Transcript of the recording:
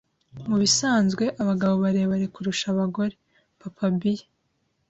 Mubisanzwe, abagabo barebare kurusha abagore. (papabear)